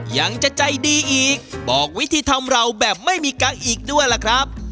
ยังจะใจดีอีกบอกวิธีทำเราแบบไม่มีกังอีกด้วยล่ะครับ